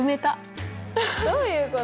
どういうこと？